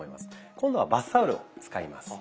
今度はバスタオルを使います。